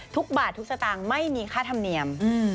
ทุกบาททุกสตางค์ไม่มีค่าธรรมเนียม